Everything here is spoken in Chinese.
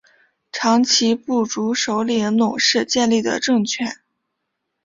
长其部族首领侬氏建立的政权。